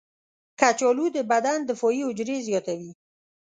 کچالو د بدن دفاعي حجرې زیاتوي.